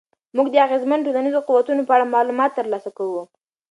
موږ د اغېزمنو ټولنیزو قوتونو په اړه معلومات ترلاسه کوو.